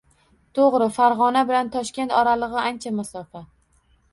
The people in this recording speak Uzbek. To`g`ri, Farg`ona bilan Toshkent oralig`i ancha masofa